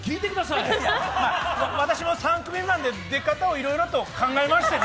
いや、私も３組目なんで出方をいろいろと考えましてね。